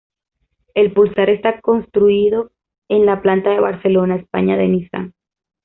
El Pulsar está construido en la planta de Barcelona, España de Nissan.